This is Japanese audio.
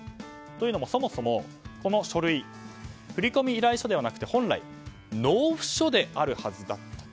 というのも、そもそもこの書類、振込依頼書ではなくて本来、納付書であるはずだった。